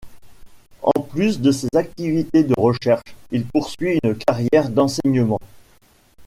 En plus de ses activités de recherches, il poursuit une carrière d'enseignement.